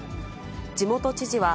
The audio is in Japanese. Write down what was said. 地元知事は、